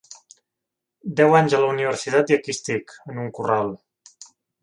Deu anys a la universitat i aquí estic, en un corral.